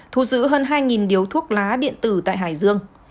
thu giữ hơn hai điếu thuốc lá điện tử tại hải dương